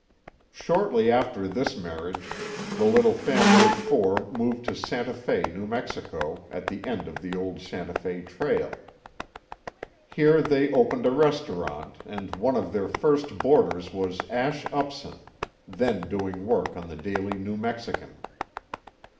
Shortly after this marriage, the little family of four moved to Santa Fe, New Mexico, at the end of the old Santa Fe trail. Here they opened a restaurant, and one of their first boarders was Ash Upson, then doing work on the Daily New Mexican.